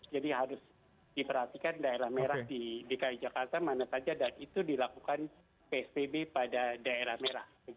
jadi harus diperhatikan daerah merah di dki jakarta mana saja dan itu dilakukan psbb pada daerah merah